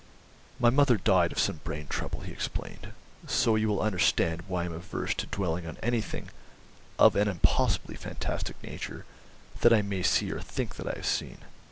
"My mother died of some brain trouble," he explained, "so you will understand why I am averse to dwelling on anything of an impossibly fantastic nature that I may see or think that I have seen."